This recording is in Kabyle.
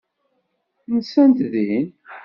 Nsant din.